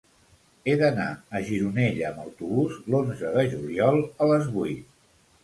He d'anar a Gironella amb autobús l'onze de juliol a les vuit.